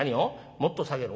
もっと下げろ？